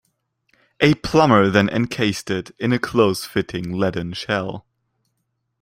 A plumber then encased it in a close fitting leaden shell.